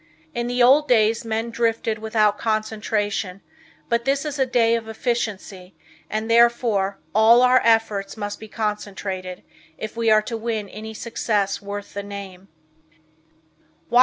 In the old days men drifted without concentration but this is a day of efficiency and therefore all of our efforts must be concentrated, if we are to win any success worth the name.